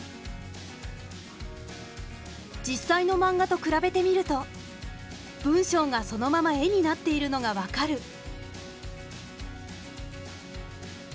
実際のマンガと比べてみると文章がそのまま絵になっているのが分かる。